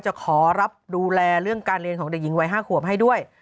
จะขอรับดูแลเรื่องการเรียนของเด็กหญิงวัย๕ขวบให้ด้วย